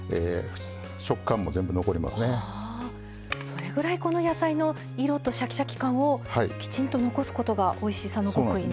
それぐらいこの野菜の色とシャキシャキ感をきちんと残すことがおいしさの極意なんですね。